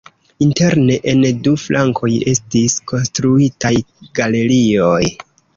Interne en du flankoj estis konstruitaj galerioj.